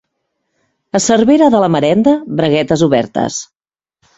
A Cervera de la Marenda, braguetes obertes.